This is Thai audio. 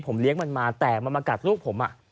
ผมเลี้ยงมันมาแต่มันมากัดลูกผม